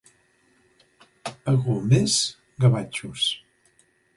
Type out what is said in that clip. A Golmés, gavatxos.